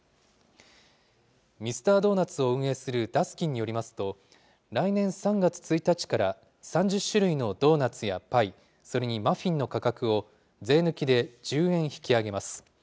ミスタードーナツを運営するダスキンによりますと、来年３月１日から、３０種類のドーナツやパイ、それにマフィンの価格を、税抜きで１０円引き上げます。